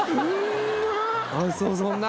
あっそうそんな？